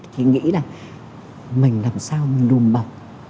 thì nghĩ là mình làm sao mình đùm bậc